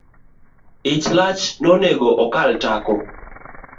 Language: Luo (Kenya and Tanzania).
Ich lach nonego okal tako